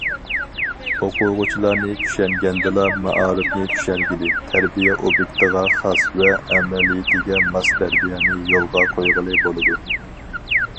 ئوقۇغۇچىلارنى چۈشەنگەندىلا، مائارىپنى چۈشەنگىلى، تەربىيە ئوبيېكتىغا خاس ۋە ئەمەلىيىتىگە ماس تەربىيەنى يولغا قويغىلى بولىدۇ.